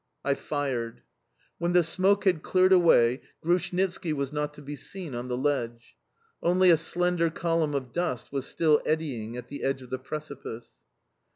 I fired. When the smoke had cleared away, Grushnitski was not to be seen on the ledge. Only a slender column of dust was still eddying at the edge of the precipice.